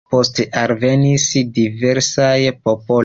Poste alvenis diversaj popoloj.